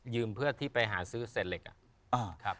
ยืมเพื่อที่ไปหาซื้อเสร็จเหล็ก